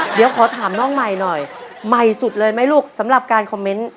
เดี๋ยวขอถามน้องใหม่หน่อยใหม่สุดเลยไหมลูกสำหรับการคอมเมนต์